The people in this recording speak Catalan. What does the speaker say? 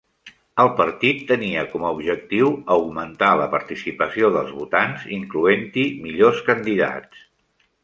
El partit tenia com a objectiu augmentar la participació dels votants incloent-hi millors candidats.